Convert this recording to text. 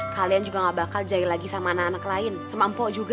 kalian juga gak bakal jahit lagi sama nana